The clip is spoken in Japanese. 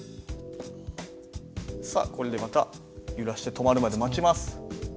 さあこれでまた揺らして止まるまで待ちます。